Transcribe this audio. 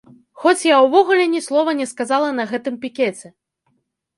Хоць я ўвогуле ні слова не сказала на гэтым пікеце!